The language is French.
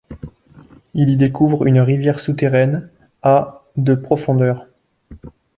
Il y découvre une rivière souterraine, à de profondeur.